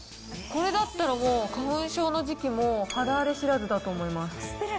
これだったら、もう花粉症の時期も肌荒れ知らずだと思います。